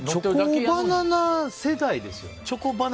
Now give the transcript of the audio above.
チョコバナナ世代ですよ。